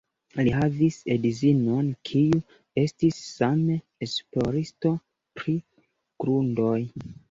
Li havis edzinon, kiu estis same esploristo pri grundoj.